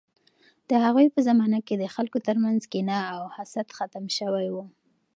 د هغوی په زمانه کې د خلکو ترمنځ کینه او حسد ختم شوی و.